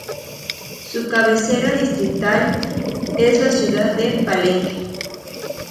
Su cabecera distrital es la ciudad de Palenque.